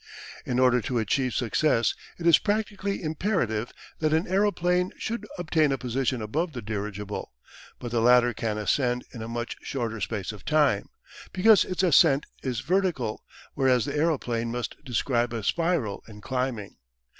In order to achieve success it is practically imperative that an aeroplane should obtain a position above the dirigible, but the latter can ascend in a much shorter space of time, because its ascent is vertical, whereas the aeroplane must describe a spiral in climbing.